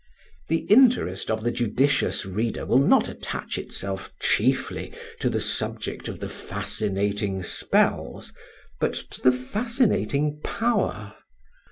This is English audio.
The interest of the judicious reader will not attach itself chiefly to the subject of the fascinating spells, but to the fascinating power.